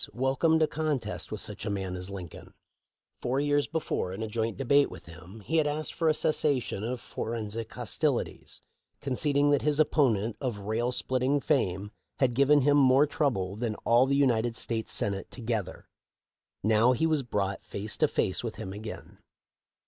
welcomed a contest with such a man as Lin coln. Four years before, in a joint debate with him, he had asked for a cessation of forensic hostilities, conceding that his opponent of rail splitting fame had given him "more trouble than all the United States Senate together." Now he was brought face to face with him again.